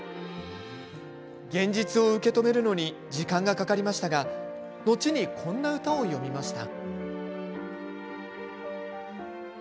現実を受け止めるのに時間がかかりましたが後にこんな歌を詠みました。